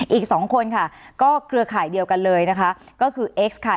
อีกสองคนค่ะก็เครือข่ายเดียวกันเลยนะคะก็คือเอ็กซ์ค่ะ